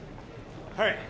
はい。